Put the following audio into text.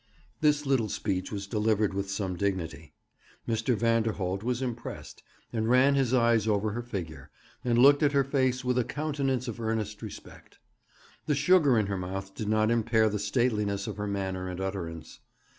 This little speech was delivered with some dignity. Mr. Vanderholt was impressed, and ran his eyes over her figure, and looked at her face with a countenance of earnest respect. The sugar in her mouth did not impair the stateliness of her manner and utterance.